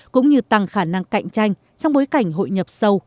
cũng như tăng khả năng cạnh tranh trong bối cảnh hội nhập sâu